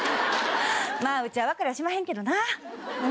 まあうちはわかりゃしまへんけどなうん。